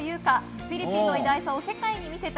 フィリピンの偉大さを世界に見せた。